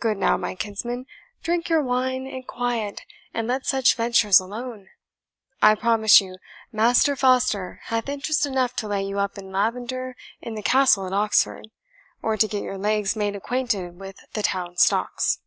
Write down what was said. "Good now, my kinsman, drink your wine in quiet, and let such ventures alone. I promise you, Master Foster hath interest enough to lay you up in lavender in the Castle at Oxford, or to get your legs made acquainted with the town stocks."